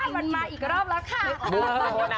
มันมาอีกรอบแล้วค่ะ